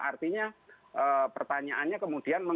artinya pertanyaannya kemudian